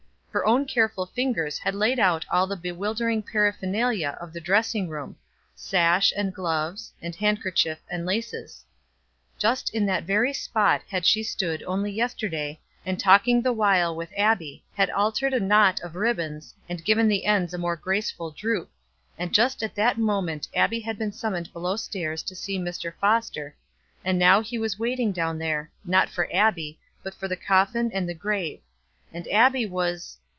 Her own careful fingers had laid out all the bewildering paraphernalia of the dressing room sash and gloves, and handkerchief and laces. Just in that very spot had she stood only yesterday, and talking the while with Abbie; had altered a knot of ribbons, and given the ends a more graceful droop, and just at that moment Abbie had been summoned below stairs to see Mr. Foster and now he was waiting down there, not for Abbie, but for the coffin and the grave, and Abbie was